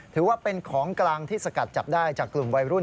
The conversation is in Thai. ถือว่าเป็นของกลางที่สกัดจับได้จากกลุ่มวัยรุ่น